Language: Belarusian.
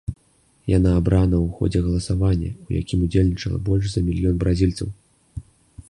Яна абрана ў ходзе галасавання, у якім удзельнічала больш за мільён бразільцаў.